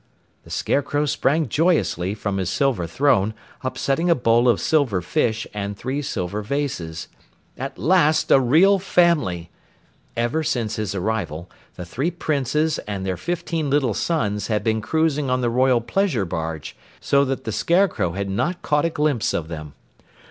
The Scarecrow sprang joyously from his silver throne, upsetting a bowl of silver fish and three silver vases. At last a real family! Ever since his arrival, the three Princes and their fifteen little sons had been cruising on the royal pleasure barge, so that the Scarecrow had not caught a glimpse of them.